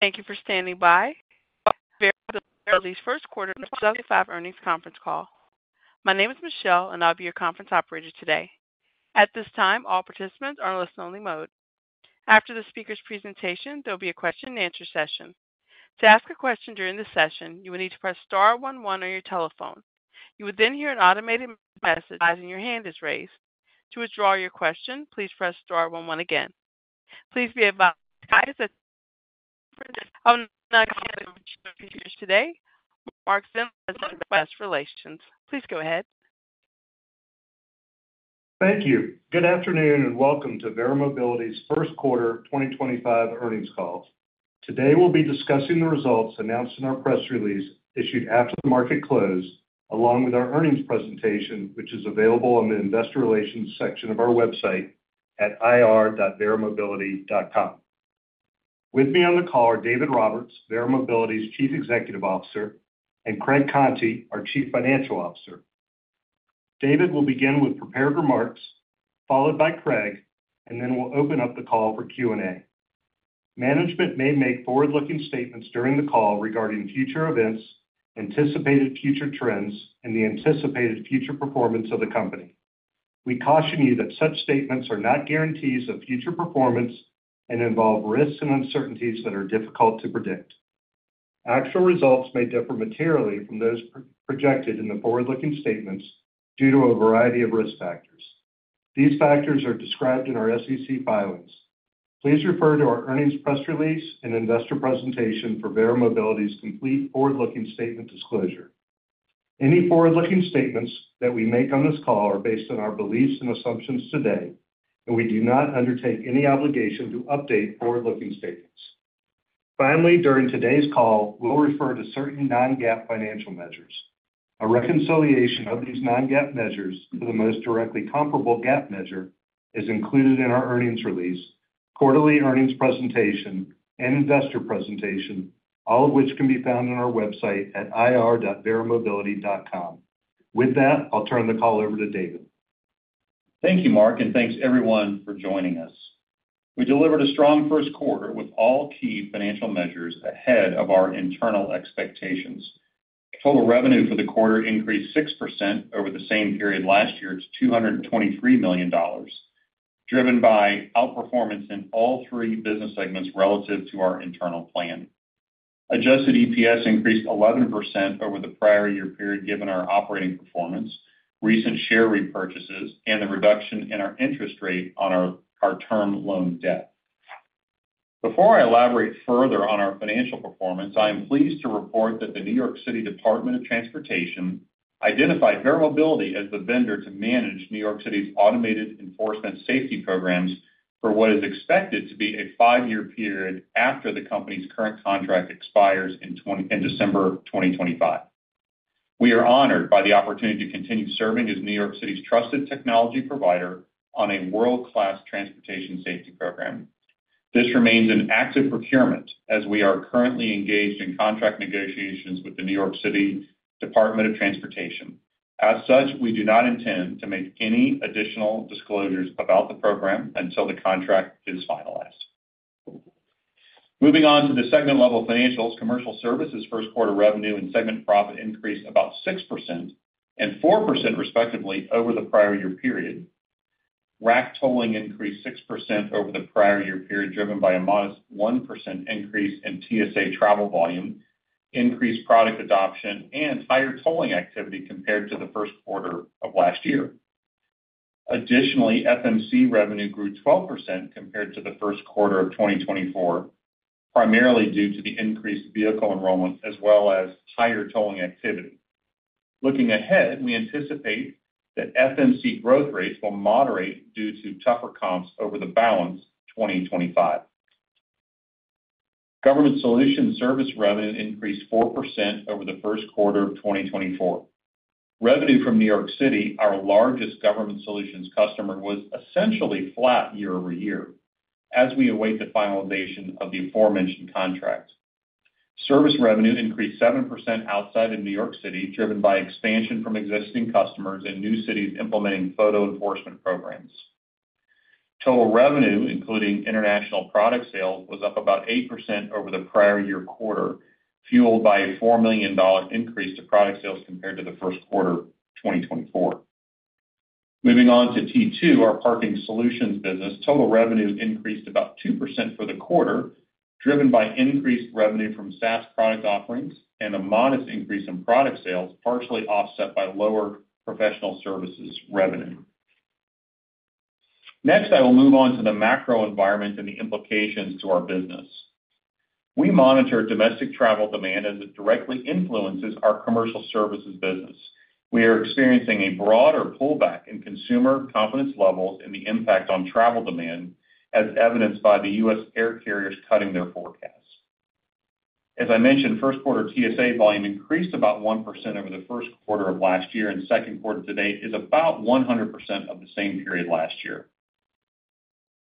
Thank you for standing by. Welcome to Verra Mobility's first quarter 2025 earnings conference call. My name is Michelle, and I'll be your conference operator today. At this time, all participants are in listen-only mode. After the speaker's presentation, there will be a question-and-answer session. To ask a question during this session, you will need to press star one one on your telephone. You will then hear an automated message advising your hand is raised. To withdraw your question, please press star one one again. Please be advised that our next speaker today, Mark Zindler, has a request for relations. Please go ahead. Thank you. Good afternoon and welcome to Verra Mobility's first quarter 2025 earnings call. Today, we'll be discussing the results announced in our press release issued after the market closed, along with our earnings presentation, which is available on the investor relations section of our website at ir.verramobility.com. With me on the call are David Roberts, Verra Mobility's Chief Executive Officer, and Craig Conti, our Chief Financial Officer. David will begin with prepared remarks, followed by Craig, and then we'll open up the call for Q&A. Management may make forward-looking statements during the call regarding future events, anticipated future trends, and the anticipated future performance of the company. We caution you that such statements are not guarantees of future performance and involve risks and uncertainties that are difficult to predict. Actual results may differ materially from those projected in the forward-looking statements due to a variety of risk factors. These factors are described in our SEC filings. Please refer to our earnings press release and investor presentation for Verra Mobility's complete forward-looking statement disclosure. Any forward-looking statements that we make on this call are based on our beliefs and assumptions today, and we do not undertake any obligation to update forward-looking statements. Finally, during today's call, we'll refer to certain non-GAAP financial measures. A reconciliation of these non-GAAP measures to the most directly comparable GAAP measure is included in our earnings release, quarterly earnings presentation, and investor presentation, all of which can be found on our website at ir.verramobility.com. With that, I'll turn the call over to David. Thank you, Mark, and thanks everyone for joining us. We delivered a strong first quarter with all key financial measures ahead of our internal expectations. Total revenue for the quarter increased 6% over the same period last year to $223 million, driven by outperformance in all three business segments relative to our internal plan. Adjusted EPS increased 11% over the prior year period given our operating performance, recent share repurchases, and the reduction in our interest rate on our term loan debt. Before I elaborate further on our financial performance, I am pleased to report that the New York City Department of Transportation identified Verra Mobility as the vendor to manage New York City's automated enforcement safety programs for what is expected to be a five-year period after the company's current contract expires in December 2025. We are honored by the opportunity to continue serving as New York City's trusted technology provider on a world-class transportation safety program. This remains an active procurement as we are currently engaged in contract negotiations with the New York City Department of Transportation. As such, we do not intend to make any additional disclosures about the program until the contract is finalized. Moving on to the segment-level financials, Commercial Services' first quarter revenue and segment profit increased about 6% and 4% respectively over the prior year period. RAC tolling increased 6% over the prior year period, driven by a modest 1% increase in TSA travel volume, increased product adoption, and higher tolling activity compared to the first quarter of last year. Additionally, FMC revenue grew 12% compared to the first quarter of 2024, primarily due to the increased vehicle enrollment as well as higher tolling activity. Looking ahead, we anticipate that FMC growth rates will moderate due to tougher comps over the balance of 2025. Government Solutions Service revenue increased 4% over the first quarter of 2024. Revenue from New York City, our largest government solutions customer, was essentially flat year-over-year as we await the finalization of the aforementioned contract. Service revenue increased 7% outside of New York City, driven by expansion from existing customers and new cities implementing photo enforcement programs. Total revenue, including international product sales, was up about 8% over the prior year quarter, fueled by a $4 million increase to product sales compared to the first quarter of 2024. Moving on to T2, our Parking Solutions business, total revenue increased about 2% for the quarter, driven by increased revenue from SaaS product offerings and a modest increase in product sales, partially offset by lower professional services revenue. Next, I will move on to the macro environment and the implications to our business. We monitor domestic travel demand as it directly influences our commercial services business. We are experiencing a broader pullback in consumer confidence levels and the impact on travel demand, as evidenced by the U.S. air carriers cutting their forecasts. As I mentioned, first quarter TSA volume increased about 1% over the first quarter of last year, and second quarter to date is about 100% of the same period last year.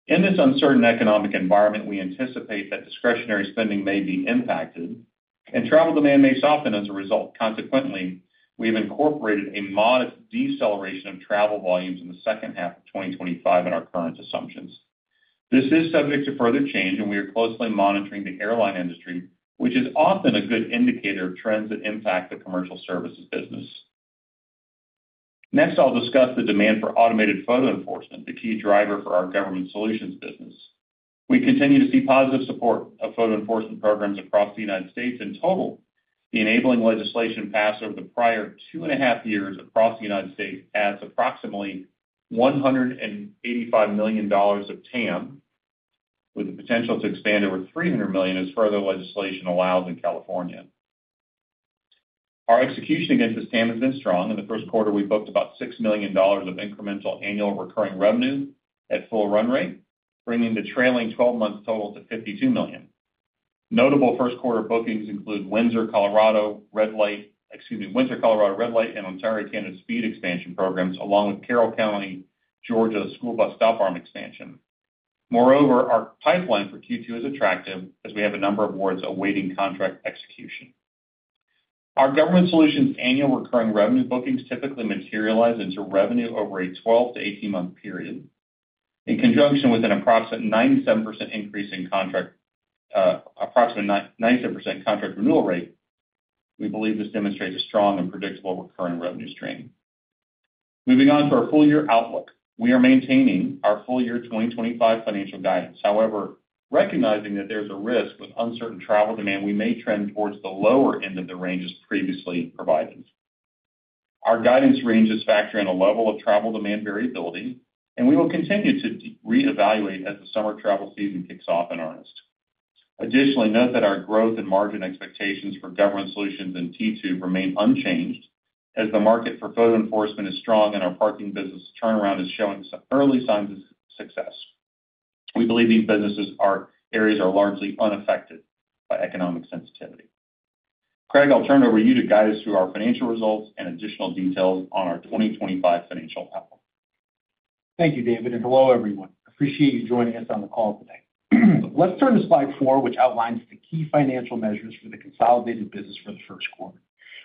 In this uncertain economic environment, we anticipate that discretionary spending may be impacted and travel demand may soften as a result. Consequently, we have incorporated a modest deceleration of travel volumes in the second half of 2025 in our current assumptions. This is subject to further change, and we are closely monitoring the airline industry, which is often a good indicator of trends that impact the commercial services business. Next, I'll discuss the demand for automated photo enforcement, the key driver for our government solutions business. We continue to see positive support of photo enforcement programs across the United States. In total, the enabling legislation passed over the prior two and a half years across the United States adds approximately $185 million of TAM, with the potential to expand over $300 million as further legislation allows in California. Our execution against this TAM has been strong. In the first quarter, we booked about $6 million of incremental annual recurring revenue at full run rate, bringing the trailing 12-month total to $52 million. Notable first quarter bookings include Windsor, Colorado, red light, excuse me, Windsor, Colorado red light, and Ontario, Canada speed expansion programs, along with Carroll County, Georgia school bus stop arm expansion. Moreover, our pipeline for Q2 is attractive as we have a number of awards awaiting contract execution. Our government solutions annual recurring revenue bookings typically materialize into revenue over a 12- to 18-month period. In conjunction with an approximate 97% contract renewal rate, we believe this demonstrates a strong and predictable recurring revenue stream. Moving on to our full-year outlook, we are maintaining our full-year 2025 financial guidance. However, recognizing that there is a risk with uncertain travel demand, we may trend towards the lower end of the ranges previously provided. Our guidance ranges factor in a level of travel demand variability, and we will continue to reevaluate as the summer travel season kicks off in earnest. Additionally, note that our growth and margin expectations for government solutions in T2 remain unchanged as the market for photo enforcement is strong and our parking business turnaround is showing early signs of success. We believe these businesses are areas that are largely unaffected by economic sensitivity. Craig, I'll turn it over to you to guide us through our financial results and additional details on our 2025 financial outlook. Thank you, David, and hello, everyone. Appreciate you joining us on the call today. Let's turn to slide four, which outlines the key financial measures for the consolidated business for the first quarter.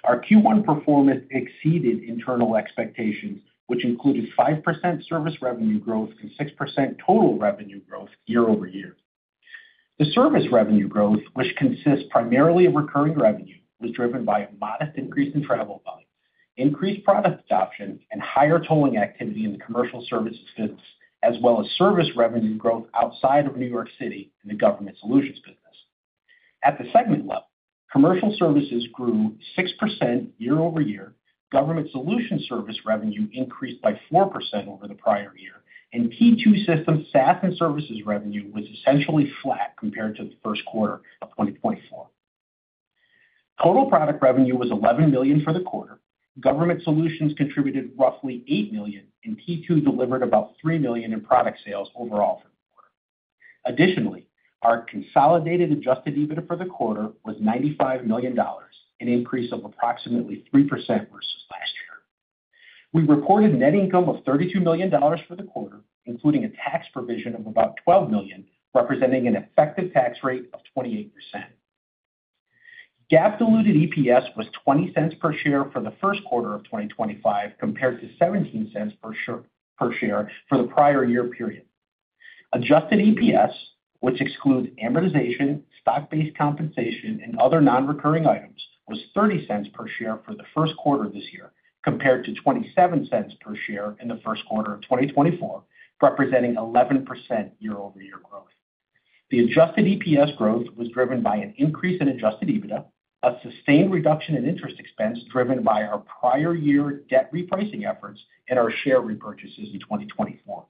Our Q1 performance exceeded internal expectations, which included 5% Service revenue growth and 6% total revenue growth year-over-year. The Service revenue growth, which consists primarily of recurring revenue, was driven by a modest increase in travel volume, increased product adoption, and higher tolling activity in the commercial services business, as well as service revenue growth outside of New York City in the government solutions business. At the segment level, Commercial Services grew 6% year-over-year, government solutions service revenue increased by 4% over the prior year, and T2 Systems SaaS and services revenue was essentially flat compared to the first quarter of 2024. Total product revenue was $11 million for the quarter. Government Solutions contributed roughly $8 million, and T2 delivered about $3 million in product sales overall for the quarter. Additionally, our consolidated adjusted EBITDA for the quarter was $95 million, an increase of approximately 3% versus last year. We reported net income of $32 million for the quarter, including a tax provision of about $12 million, representing an effective tax rate of 28%. GAAP-diluted EPS was $0.20 per share for the first quarter of 2025 compared to $0.17 per share for the prior year period. Adjusted EPS, which excludes amortization, stock-based compensation, and other non-recurring items, was $0.30 per share for the first quarter of this year compared to $0.27 per share in the first quarter of 2024, representing 11% year-over-year growth. The adjusted EPS growth was driven by an increase in adjusted EBITDA, a sustained reduction in interest expense driven by our prior year debt repricing efforts, and our share repurchases in 2024.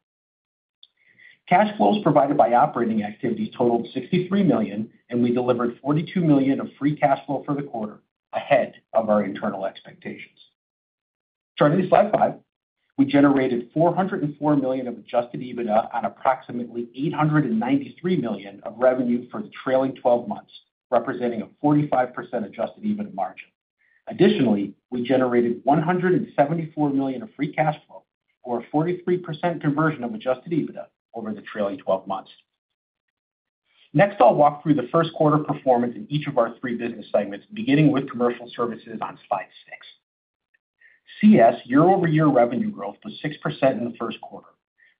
Cash flows provided by operating activities totaled $63 million, and we delivered $42 million of free cash flow for the quarter ahead of our internal expectations. Turning to slide five, we generated $404 million of adjusted EBITDA on approximately $893 million of revenue for the trailing 12 months, representing a 45% adjusted EBITDA margin. Additionally, we generated $174 million of free cash flow, or a 43% conversion of adjusted EBITDA over the trailing 12 months. Next, I'll walk through the first quarter performance in each of our three business segments, beginning with commercial services on slide six. CS year-over-year revenue growth was 6% in the first quarter.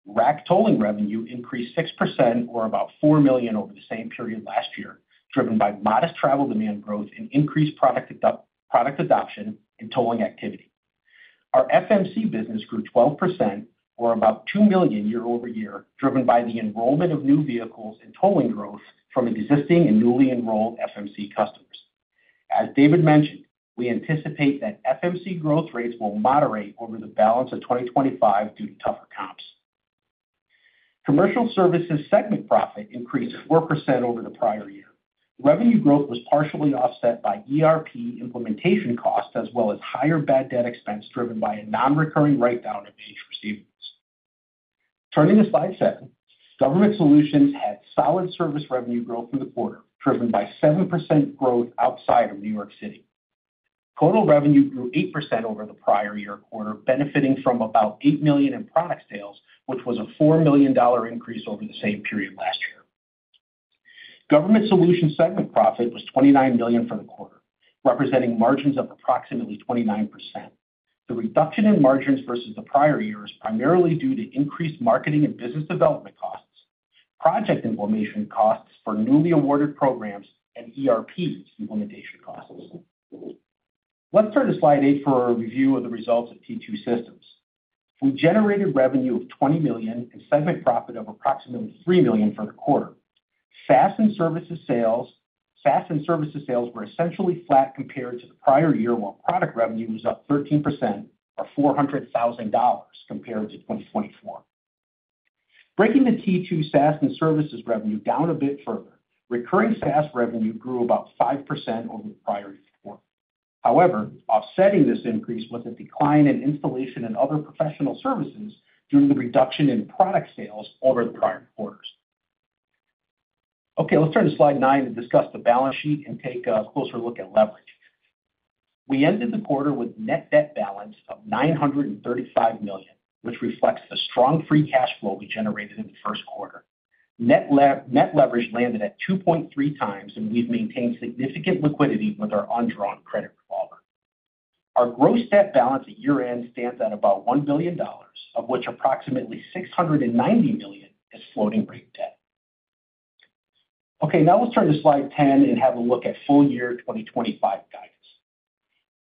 RAC tolling revenue increased 6%, or about $4 million over the same period last year, driven by modest travel demand growth and increased product adoption and tolling activity. Our FMC business grew 12%, or about $2 million year-over-year, driven by the enrollment of new vehicles and tolling growth from existing and newly enrolled FMC customers. As David mentioned, we anticipate that FMC growth rates will moderate over the balance of 2025 due to tougher comps. Commercial Services segment profit increased 4% over the prior year. Revenue growth was partially offset by ERP implementation costs as well as higher bad debt expense driven by a non-recurring write-down of aged receivables. Turning to slide seven, Government Solutions had solid service revenue growth in the quarter, driven by 7% growth outside of New York City. Total revenue grew 8% over the prior year quarter, benefiting from about $8 million in product sales, which was a $4 million increase over the same period last year. Government solutions segment profit was $29 million for the quarter, representing margins of approximately 29%. The reduction in margins versus the prior year is primarily due to increased marketing and business development costs, project implementation costs for newly awarded programs, and ERP implementation costs. Let's turn to slide eight for a review of the results of T2 Systems. We generated revenue of $20 million and segment profit of approximately $3 million for the quarter. SaaS and services sales, SaaS and services sales were essentially flat compared to the prior year, while product revenue was up 13%, or $400,000 compared to 2024. Breaking the T2 SaaS and services revenue down a bit further, recurring SaaS revenue grew about 5% over the prior year. However, offsetting this increase was a decline in installation and other professional services due to the reduction in product sales over the prior quarters. Okay, let's turn to slide nine to discuss the balance sheet and take a closer look at leverage. We ended the quarter with net debt balance of $935 million, which reflects the strong free cash flow we generated in the first quarter. Net leverage landed at 2.3x, and we've maintained significant liquidity with our undrawn credit revolver. Our gross debt balance at year-end stands at about $1 billion, of which approximately $690 million is floating rate debt. Okay, now let's turn to slide 10 and have a look at full-year 2025 guidance.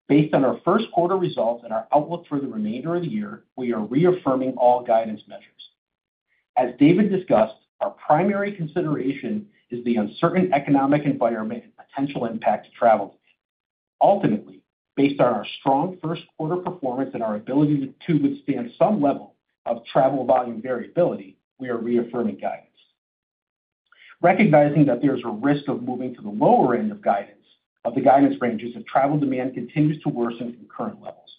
Based on our first quarter results and our outlook for the remainder of the year, we are reaffirming all guidance measures. As David discussed, our primary consideration is the uncertain economic environment and potential impact to travel demand. Ultimately, based on our strong first quarter performance and our ability to withstand some level of travel volume variability, we are reaffirming guidance. Recognizing that there is a risk of moving to the lower end of guidance, the guidance ranges if travel demand continues to worsen from current levels.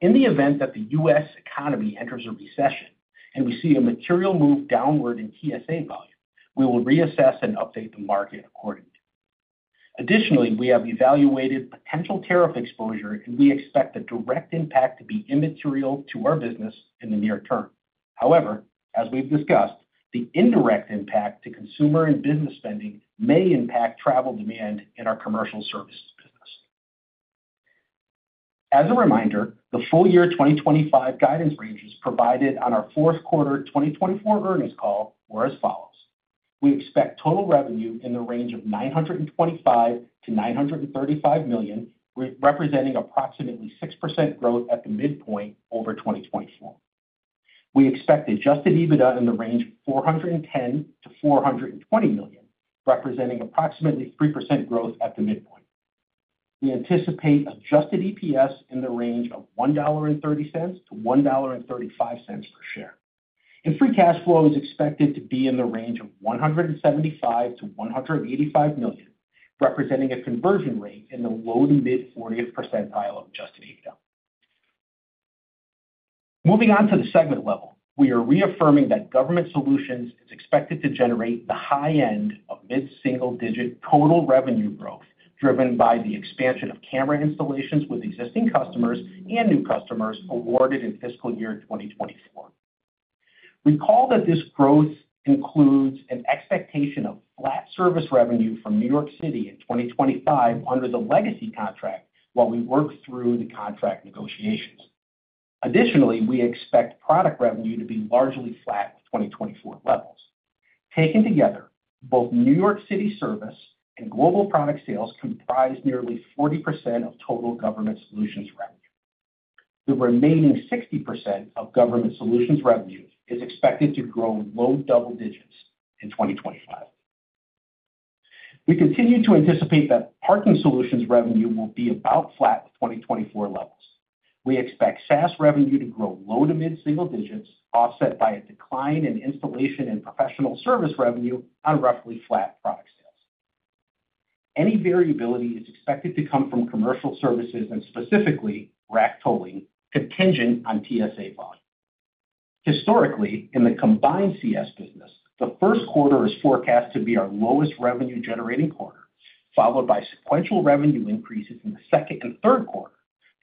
In the event that the U.S. economy enters a recession and we see a material move downward in TSA volume, we will reassess and update the market accordingly. Additionally, we have evaluated potential tariff exposure, and we expect the direct impact to be immaterial to our business in the near term. However, as we've discussed, the indirect impact to consumer and business spending may impact travel demand in our commercial services business. As a reminder, the full-year 2025 guidance ranges provided on our fourth quarter 2024 earnings call were as follows. We expect total revenue in the range of $925 million-$935 million, representing approximately 6% growth at the midpoint over 2024. We expect adjusted EBITDA in the range of $410 million-$420 million, representing approximately 3% growth at the midpoint. We anticipate adjusted EPS in the range of $1.30-$1.35 per share. Free cash flow is expected to be in the range of $175 million-$185 million, representing a conversion rate in the low to mid-40% of adjusted EBITDA. Moving on to the segment level, we are reaffirming that Government Solutions is expected to generate the high end of mid-single-digit total revenue growth driven by the expansion of camera installations with existing customers and new customers awarded in fiscal year 2024. Recall that this growth includes an expectation of flat service revenue from New York City in 2025 under the legacy contract while we work through the contract negotiations. Additionally, we expect product revenue to be largely flat with 2024 levels. Taken together, both New York City service and global product sales comprise nearly 40% of total Government Solutions revenue. The remaining 60% of government solutions revenue is expected to grow low double digits in 2025. We continue to anticipate that parking solutions revenue will be about flat with 2024 levels. We expect SaaS revenue to grow low to mid-single digits, offset by a decline in installation and professional service revenue on roughly flat product sales. Any variability is expected to come from commercial services and specifically RAC tolling, contingent on TSA volume. Historically, in the combined CS business, the first quarter is forecast to be our lowest revenue-generating quarter, followed by sequential revenue increases in the second and third quarter,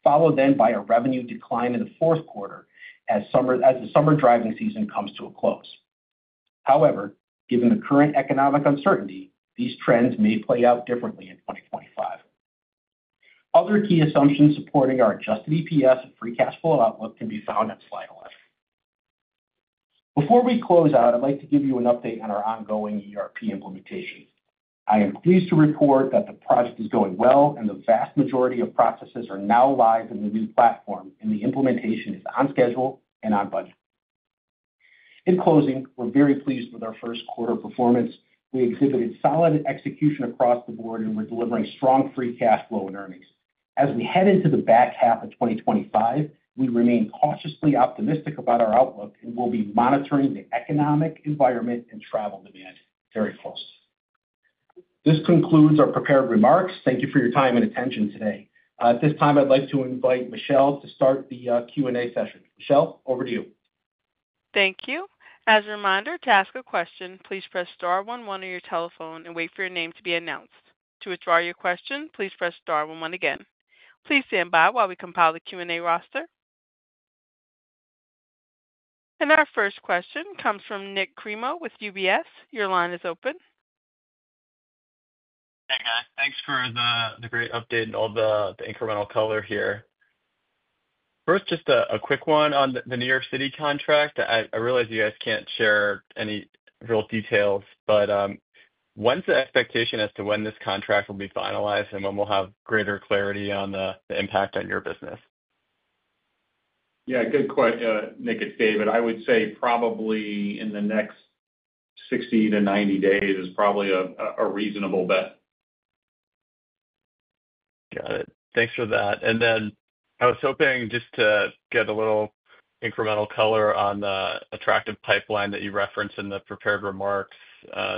followed then by a revenue decline in the fourth quarter as the summer driving season comes to a close. However, given the current economic uncertainty, these trends may play out differently in 2025. Other key assumptions supporting our adjusted EPS and free cash flow outlook can be found at slide 11. Before we close out, I'd like to give you an update on our ongoing ERP implementation. I am pleased to report that the project is going well and the vast majority of processes are now live in the new platform, and the implementation is on schedule and on budget. In closing, we're very pleased with our first quarter performance. We exhibited solid execution across the board, and we're delivering strong free cash flow and earnings. As we head into the back half of 2025, we remain cautiously optimistic about our outlook and will be monitoring the economic environment and travel demand very closely. This concludes our prepared remarks. Thank you for your time and attention today. At this time, I'd like to invite Michelle to start the Q&A session. Michelle, over to you. Thank you. As a reminder, to ask a question, please press star one one on your telephone and wait for your name to be announced. To withdraw your question, please press star one one again. Please stand by while we compile the Q&A roster. Our first question comes from Nik Cremo with UBS. Your line is open. Hey, guys. Thanks for the great update and all the incremental color here. First, just a quick one on the New York City contract. I realize you guys can't share any real details, but when's the expectation as to when this contract will be finalized and when we'll have greater clarity on the impact on your business? Yeah, good question, Nik. It's David. I would say probably in the next 60-90 days is probably a reasonable bet. Got it. Thanks for that. I was hoping just to get a little incremental color on the attractive pipeline that you referenced in the prepared remarks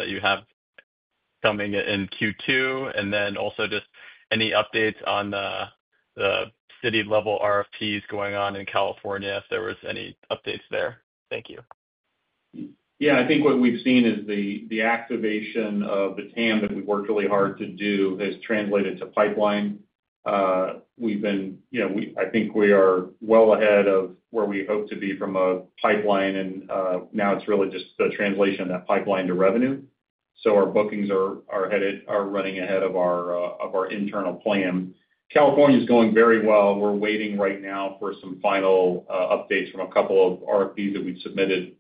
you have coming in Q2, and then also just any updates on the city-level RFPs going on in California, if there were any updates there. Thank you. Yeah, I think what we've seen is the activation of the TAM that we've worked really hard to do has translated to pipeline. We've been, I think we are well ahead of where we hope to be from a pipeline, and now it's really just the translation of that pipeline to revenue. Our bookings are running ahead of our internal plan. California is going very well. We are waiting right now for some final updates from a couple of RFPs that we've submitted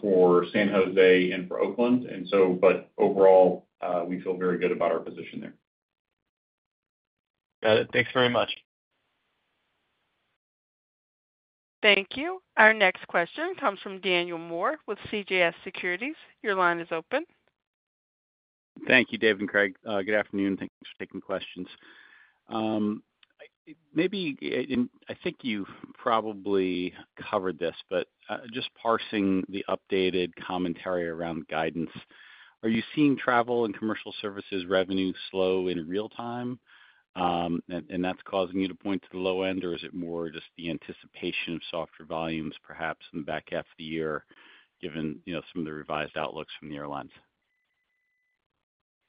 for San Jose and for Oakland. Overall, we feel very good about our position there. Got it. Thanks very much. Thank you. Our next question comes from Daniel Moore with CJS Securities. Your line is open. Thank you, David and Craig. Good afternoon. Thanks for taking questions. Maybe, and I think you've probably covered this, but just parsing the updated commentary around guidance, are you seeing travel and commercial services revenue slow in real time, and that's causing you to point to the low end, or is it more just the anticipation of softer volumes, perhaps in the back half of the year, given some of the revised outlooks from the airlines?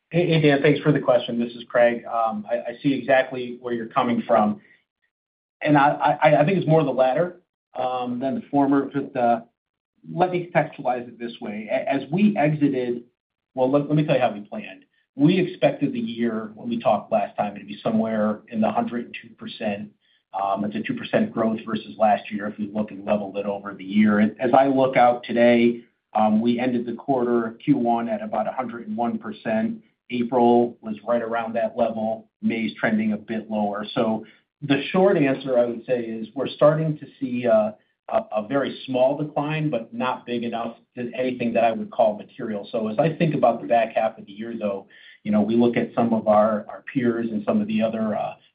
Hey, Dan, thanks for the question. This is Craig. I see exactly where you're coming from. I think it's more the latter than the former, but let me contextualize it this way. As we exited, let me tell you how we planned. We expected the year, when we talked last time, to be somewhere in the 102% to 2% growth versus last year if we look and level it over the year. As I look out today, we ended the quarter Q1 at about 101%. April was right around that level. May is trending a bit lower. The short answer, I would say, is we're starting to see a very small decline, but not big enough to anything that I would call material. As I think about the back half of the year, though, we look at some of our peers and some of the other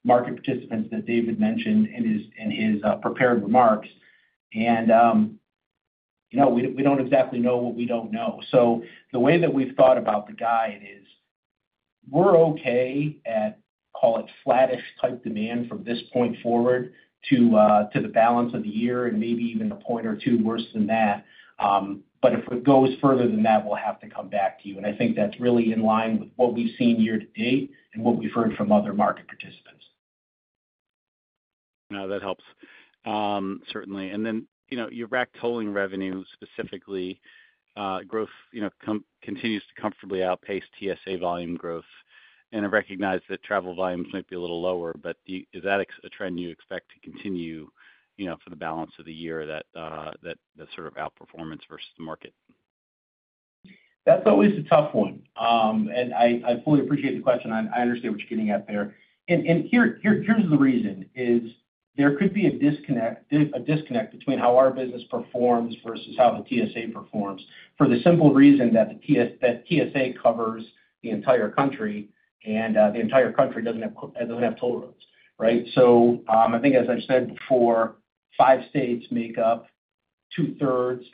market participants that David mentioned in his prepared remarks, and we do not exactly know what we do not know. The way that we have thought about the guide is we are okay at, call it, flattish-type demand from this point forward to the balance of the year and maybe even a point or two worse than that. If it goes further than that, we will have to come back to you. I think that is really in line with what we have seen year to date and what we have heard from other market participants. No, that helps. Certainly. Your RAC tolling revenue specifically, growth continues to comfortably outpace TSA volume growth. I recognize that travel volumes might be a little lower, but is that a trend you expect to continue for the balance of the year, that sort of outperformance versus the market? That's always a tough one. I fully appreciate the question. I understand what you're getting at there. Here's the reason: there could be a disconnect between how our business performs versus how the TSA performs for the simple reason that the TSA covers the entire country, and the entire country doesn't have toll roads, right? I think, as I've said before, five states make up two-thirds,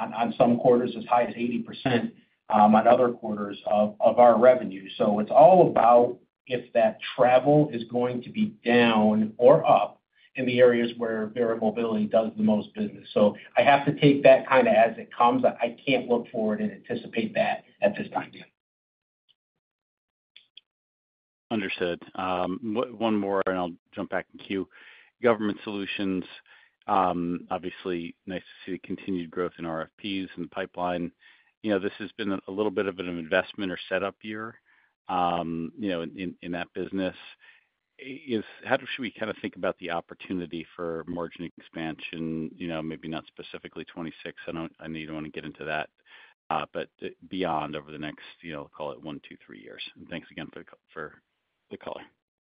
on some quarters as high as 80%, on other quarters of our revenue. It's all about if that travel is going to be down or up in the areas where Verra Mobility does the most business. I have to take that kind of as it comes. I can't look forward and anticipate that at this time. Understood. One more, and I'll jump back into you. Government Solutions, obviously, nice to see the continued growth in RFPs and the pipeline. This has been a little bit of an investment or setup year in that business. How should we kind of think about the opportunity for margin expansion, maybe not specifically 2026? I know you don't want to get into that, but beyond over the next, call it, one, two, three years. Thanks again for the color.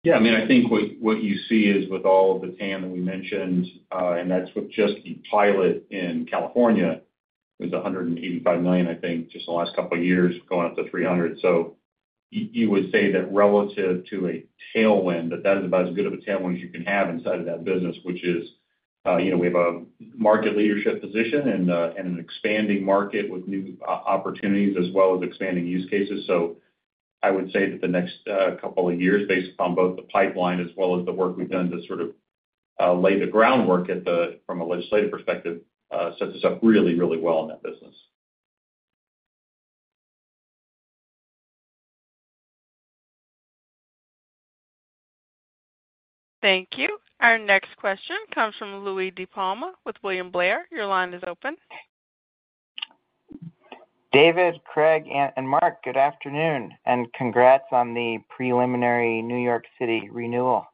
Yeah. I mean, I think what you see is with all of the TAM that we mentioned, and that's with just the pilot in California, it was $185 million, I think, just the last couple of years going up to $300 million. You would say that relative to a tailwind, that that is about as good of a tailwind as you can have inside of that business, which is we have a market leadership position and an expanding market with new opportunities as well as expanding use cases. I would say that the next couple of years, based upon both the pipeline as well as the work we've done to sort of lay the groundwork from a legislative perspective, sets us up really, really well in that business. Thank you. Our next question comes from Louie DiPalma with William Blair. Your line is open. David, Craig, and Mark, good afternoon. Congrats on the preliminary New York City renewal.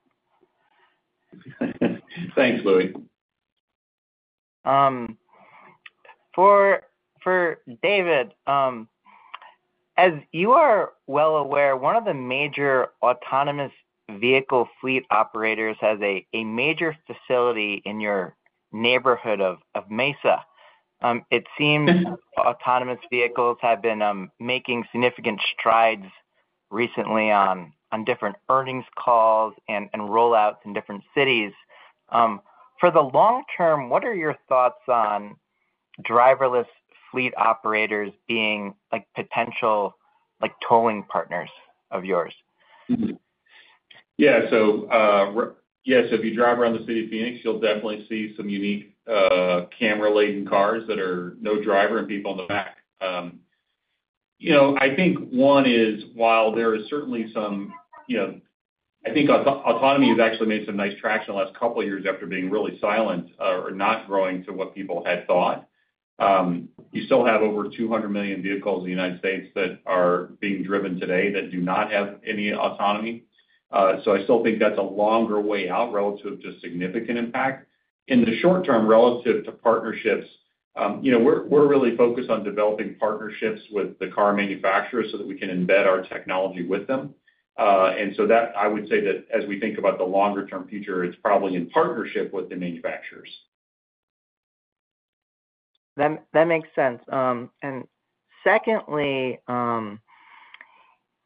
Thanks, Louie. For David, as you are well aware, one of the major autonomous vehicle fleet operators has a major facility in your neighborhood of Mesa. It seems autonomous vehicles have been making significant strides recently on different earnings calls and rollouts in different cities. For the long term, what are your thoughts on driverless fleet operators being potential tolling partners of yours? Yeah. So yes, if you drive around the city of Phoenix, you'll definitely see some unique camera-laden cars that are no driver and people in the back. I think one is, while there is certainly some, I think autonomy has actually made some nice traction the last couple of years after being really silent or not growing to what people had thought. You still have over 200 million vehicles in the United States that are being driven today that do not have any autonomy. I still think that's a longer way out relative to significant impact. In the short term, relative to partnerships, we're really focused on developing partnerships with the car manufacturers so that we can embed our technology with them. I would say that as we think about the longer-term future, it's probably in partnership with the manufacturers. That makes sense. Secondly,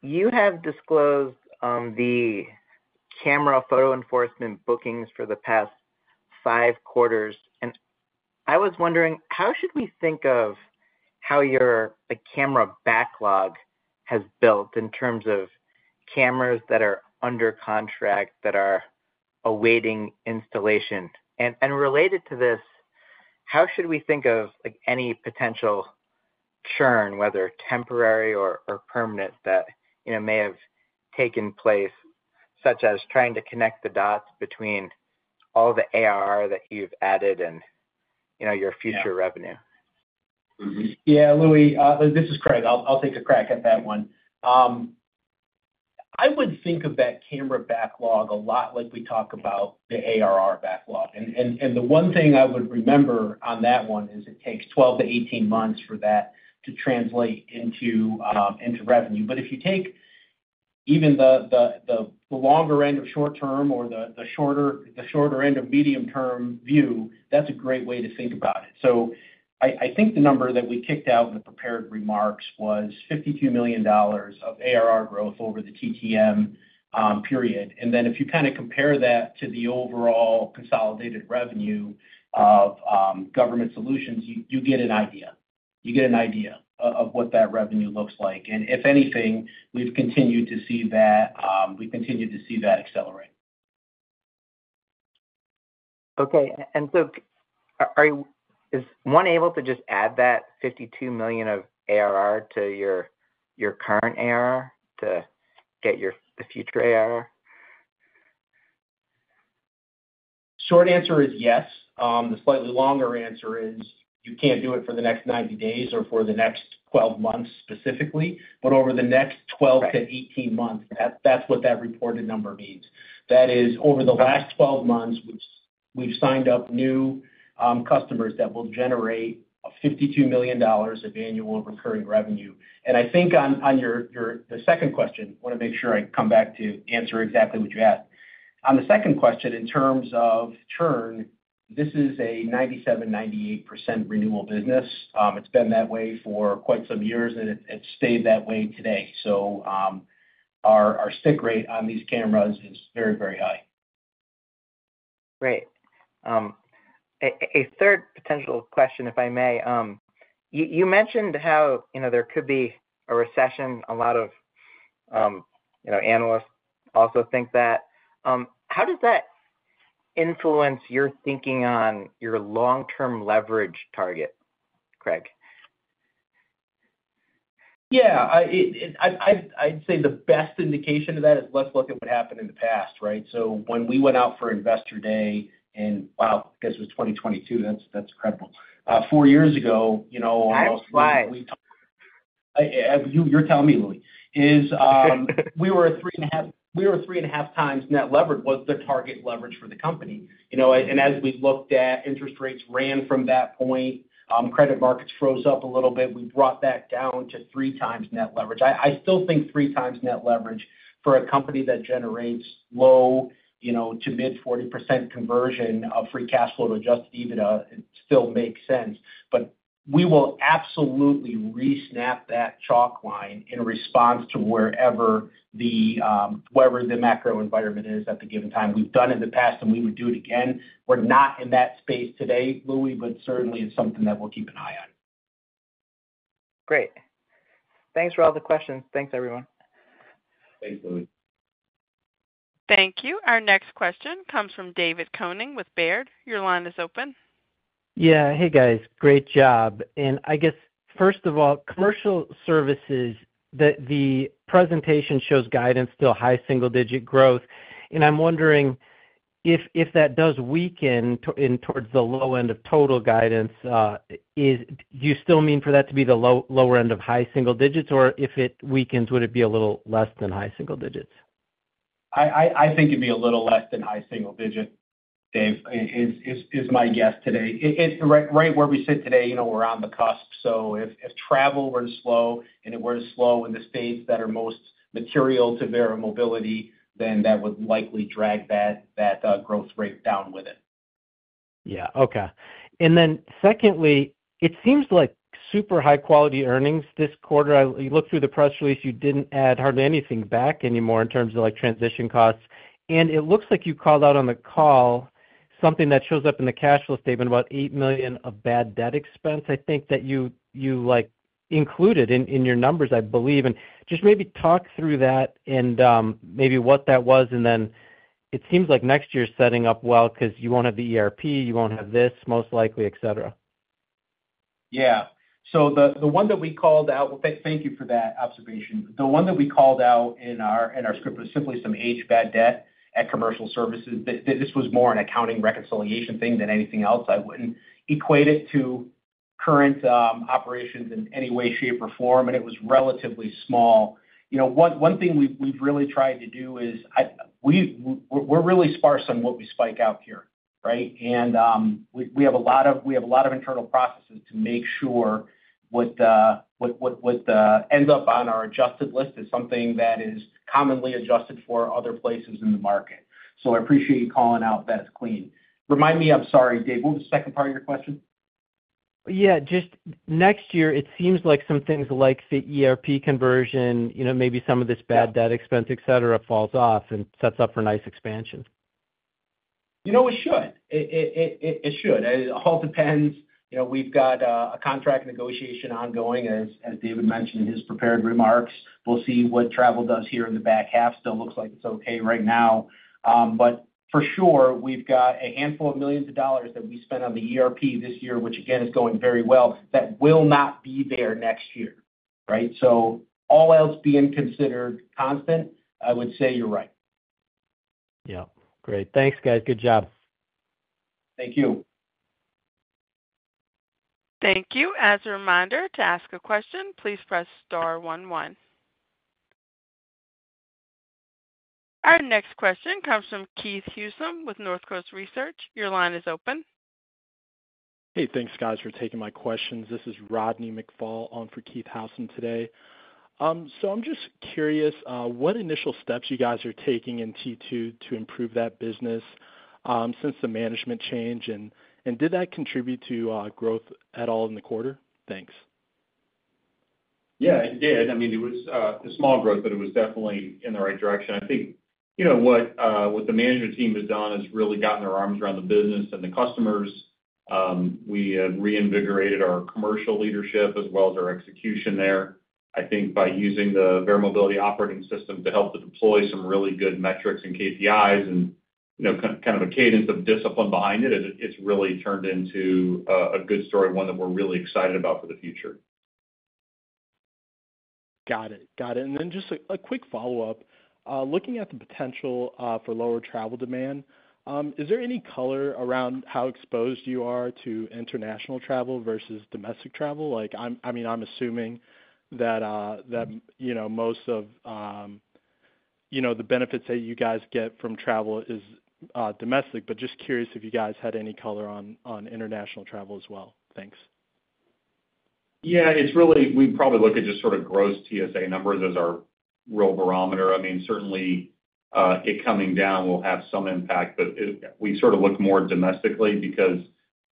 you have disclosed the camera photo enforcement bookings for the past five quarters. I was wondering, how should we think of how your camera backlog has built in terms of cameras that are under contract that are awaiting installation? Related to this, how should we think of any potential churn, whether temporary or permanent, that may have taken place, such as trying to connect the dots between all the ARR that you've added and your future revenue? Yeah, Louie, this is Craig. I'll take a crack at that one. I would think of that camera backlog a lot like we talk about the ARR backlog. The one thing I would remember on that one is it takes 12-18 months for that to translate into revenue. If you take even the longer end of short term or the shorter end of medium-term view, that's a great way to think about it. I think the number that we kicked out in the prepared remarks was $52 million of ARR growth over the TTM period. If you kind of compare that to the overall consolidated revenue of government solutions, you get an idea. You get an idea of what that revenue looks like. If anything, we've continued to see that. We've continued to see that accelerate. Okay. And so is one able to just add that $52 million of ARR to your current ARR to get your future ARR? Short answer is yes. The slightly longer answer is you can't do it for the next 90 days or for the next 12 months specifically. Over the next 12-18 months, that's what that reported number means. That is, over the last 12 months, we've signed up new customers that will generate $52 million of annual recurring revenue. I think on the second question, I want to make sure I come back to answer exactly what you asked. On the second question, in terms of churn, this is a 97%-98% renewal business. It's been that way for quite some years, and it stayed that way today. Our stick rate on these cameras is very, very high. Great. A third potential question, if I may. You mentioned how there could be a recession. A lot of analysts also think that. How does that influence your thinking on your long-term leverage target, Craig? Yeah. I'd say the best indication of that is let's look at what happened in the past, right? So when we went out for Investor Day in, wow, I guess it was 2022. That's incredible. Four years ago. That's why. You're telling me, Louie. We were at three and a half, we were at three and a half times net leverage was the target leverage for the company. As we looked at interest rates ran from that point, credit markets froze up a little bit. We brought that down to 3x net leverage. I still think three times net leverage for a company that generates low to mid 40% conversion of free cash flow to adjusted EBITDA still makes sense. We will absolutely re-snap that chalk line in response to wherever the macro environment is at the given time. We've done it in the past, and we would do it again. We're not in that space today, Louie, but certainly it's something that we'll keep an eye on. Great. Thanks for all the questions. Thanks, everyone. Thanks, Louis. Thank you. Our next question comes from David Koning with Baird. Your line is open. Yeah. Hey, guys. Great job. I guess, first of all, Commercial Services, the presentation shows guidance still high single-digit growth. I am wondering if that does weaken towards the low end of total guidance, do you still mean for that to be the lower end of high single digits, or if it weakens, would it be a little less than high single digits? I think it'd be a little less than high single digit, Dave, is my guess today. Right where we sit today, we're on the cusp. If travel were to slow, and it were to slow in the states that are most material to Verra Mobility, then that would likely drag that growth rate down with it. Yeah. Okay. Then secondly, it seems like super high-quality earnings this quarter. You looked through the press release. You did not add hardly anything back anymore in terms of transition costs. It looks like you called out on the call something that shows up in the cash flow statement, about $8 million of bad debt expense, I think, that you included in your numbers, I believe. Just maybe talk through that and maybe what that was. It seems like next year is setting up well because you will not have the ERP, you will not have this most likely, etc. Yeah. The one that we called out, thank you for that observation. The one that we called out in our script was simply some aged bad debt at commercial services. This was more an accounting reconciliation thing than anything else. I would not equate it to current operations in any way, shape, or form. It was relatively small. One thing we have really tried to do is we are really sparse on what we spike out here, right? We have a lot of internal processes to make sure what ends up on our adjusted list is something that is commonly adjusted for other places in the market. I appreciate you calling out that it is clean. Remind me, I am sorry, Dave, what was the second part of your question? Yeah. Just next year, it seems like some things like the ERP conversion, maybe some of this bad debt expense, etc., falls off and sets up for nice expansion. It should. It should. It all depends. We've got a contract negotiation ongoing, as David mentioned in his prepared remarks. We'll see what travel does here in the back half. Still looks like it's okay right now. For sure, we've got a handful of millions of dollars that we spent on the ERP this year, which, again, is going very well, that will not be there next year, right? All else being considered constant, I would say you're right. Yeah. Great. Thanks, guys. Good job. Thank you. Thank you. As a reminder, to ask a question, please press star one one. Our next question comes from Keith Housum with Northcoast Research. Your line is open. Hey, thanks, guys, for taking my questions. This is Rodney McFall on for Keith Housum today. I'm just curious what initial steps you guys are taking in T2 to improve that business since the management change. Did that contribute to growth at all in the quarter? Thanks. Yeah, it did. I mean, it was a small growth, but it was definitely in the right direction. I think what the management team has done has really gotten their arms around the business and the customers. We have reinvigorated our commercial leadership as well as our execution there. I think by using the Verra Mobility operating system to help to deploy some really good metrics and KPIs and kind of a cadence of discipline behind it, it's really turned into a good story, one that we're really excited about for the future. Got it. Got it. And then just a quick follow-up. Looking at the potential for lower travel demand, is there any color around how exposed you are to international travel versus domestic travel? I mean, I'm assuming that most of the benefits that you guys get from travel is domestic, but just curious if you guys had any color on international travel as well. Thanks. Yeah. We probably look at just sort of gross TSA numbers as our real barometer. I mean, certainly, it coming down will have some impact, but we sort of look more domestically because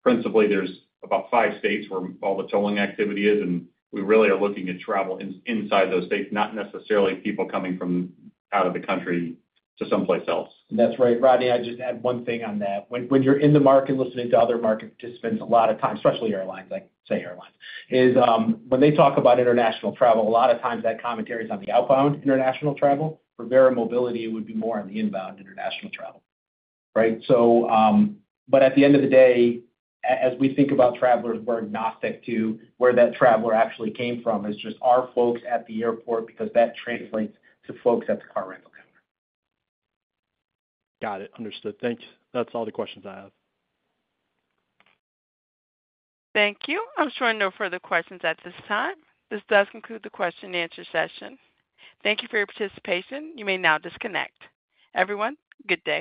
principally, there are about five states where all the tolling activity is. And we really are looking at travel inside those states, not necessarily people coming from out of the country to someplace else. That's right. Rodney, I just add one thing on that. When you're in the market listening to other market participants, a lot of times, especially airlines, I say airlines, is when they talk about international travel, a lot of times that commentary is on the outbound international travel. For Verra Mobility, it would be more on the inbound international travel, right? But at the end of the day, as we think about travelers, we're agnostic to where that traveler actually came from. It's just our folks at the airport because that translates to folks at the car rental counter. Got it. Understood. Thanks. That's all the questions I have. Thank you. I'm just going to note further questions at this time. This does conclude the question-and-answer session. Thank you for your participation. You may now disconnect. Everyone, good day.